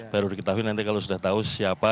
baru diketahui nanti kalau sudah tahu siapa